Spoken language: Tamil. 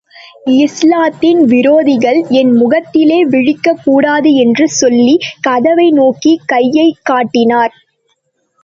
இஸ்லாத்தின் விரோதிகள் என் முகத்திலே விழிக்கக் கூடாது என்று சொல்லிக் கதவை நோக்கி கையைக்காட்டினார்.